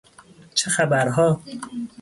چه خبرها؟